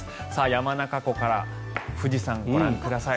山中湖から富士山ご覧ください。